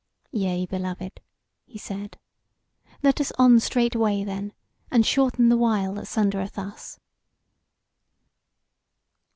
"Yea, beloved," he said, "let us on straightway then, and shorten the while that sundereth us."